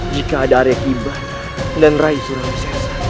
jika ada arya kibah dan rai suramisesa